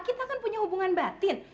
kita kan punya hubungan batin